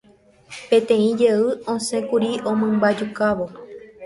Peteĩ jey osẽkuri omymbajukávo.